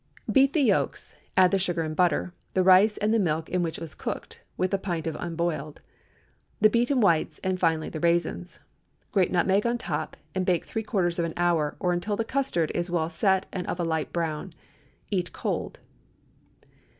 Beat the yolks, add the sugar and butter, the rice and the milk in which it was cooked, with the pint of unboiled; the beaten whites, and finally the raisins. Grate nutmeg on the top, and bake three quarters of an hour, or until the custard is well set and of a light brown. Eat cold.